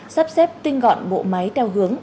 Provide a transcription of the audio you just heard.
sắp xếp tinh gọn bộ máy theo hướng